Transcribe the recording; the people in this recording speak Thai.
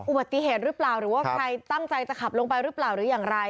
อุบัติเหตุหรือเปล่าหรือว่าใครตั้งใจจะขับลงไปหรือเปล่าหรืออย่างไร